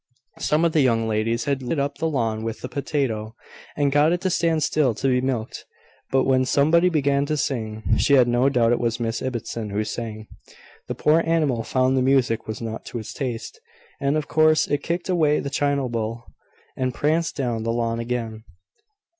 Some of the young ladies had lured it up the lawn with a potato, and got it to stand still to be milked; but, when somebody began to sing (she had no doubt it was Miss Ibbotson who sang) the poor animal found the music was not to its taste, and, of course, it kicked away the china bowl, and pranced down the lawn again.